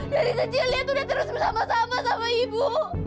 dari sejak dia terus bersama sama sama ibu